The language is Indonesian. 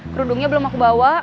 kerudungnya belum aku bawa